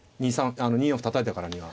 ２四歩たたいたからには。